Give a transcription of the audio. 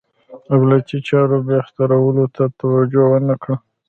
دولتي چارو بهترولو ته توجه ونه کړه.